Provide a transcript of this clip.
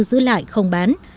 giữ lại không bán